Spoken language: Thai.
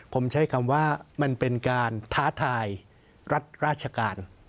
ผมใช้คำว่ามันเป็นการท้าทายรัฐราชการ